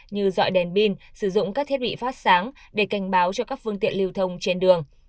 như dọn đèn pin sử dụng các thiết bị phát sáng để cảnh báo cho các phương tiện lưu thông trên đường